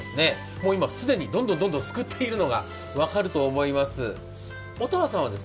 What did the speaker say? もう今既に、どんどんすくっているのが分かると思います。